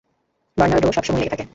Bernardo সবসময়ই রেগে থাকে।